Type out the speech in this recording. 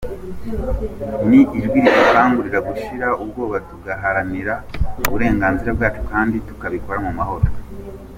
Ni ijwi ridukangurira gushira ubwoba tugaharanira uburenganzira bwacu kandi tukabikora mu Mahoro.